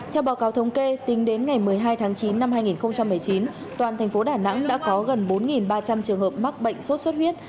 theo báo cáo thống kê tính đến ngày một mươi hai tháng chín năm hai nghìn một mươi chín toàn thành phố đà nẵng đã có gần bốn ba trăm linh trường hợp mắc bệnh sốt xuất huyết